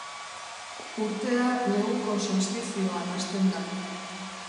Urtea neguko solstizioan hasten da.